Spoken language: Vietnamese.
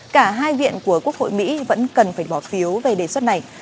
cả hai viện của quốc hội mỹ vẫn cần phải bỏ phiếu về đề xuất này